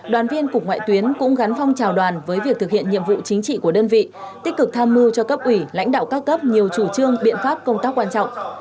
đoàn viên cục ngoại tuyến cũng gắn phong trào đoàn với việc thực hiện nhiệm vụ chính trị của đơn vị tích cực tham mưu cho cấp ủy lãnh đạo các cấp nhiều chủ trương biện pháp công tác quan trọng